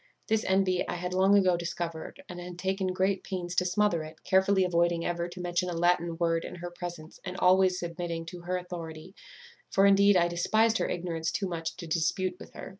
This envy I had long ago discovered, and had taken great pains to smother it, carefully avoiding ever to mention a Latin word in her presence, and always submitting to her authority; for indeed I despised her ignorance too much to dispute with her.